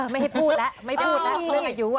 ไม่ให้พูดละเรื่องอายุ